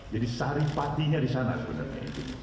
jadi saripatinya di sana sebenarnya